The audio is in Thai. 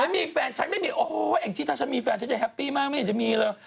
ไม่มีแฟนฉันไม่มีโอ้โหแองจี้ถ้าฉันมีแฟนฉันจะแฮปปี้มากไม่เห็นจะมีเลย